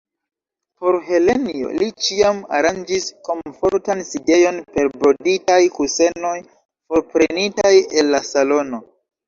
Por Helenjo li ĉiam aranĝis komfortan sidejon per broditaj kusenoj forprenitaj el la salono.